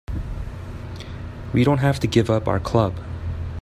We don't have to give up our club.